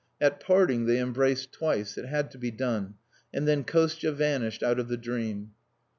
At parting they embraced twice it had to be done; and then Kostia vanished out of the dream.